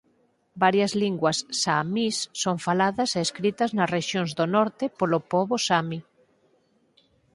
Varias linguas saamis son faladas e escritas nas rexións do norte polo pobo saami.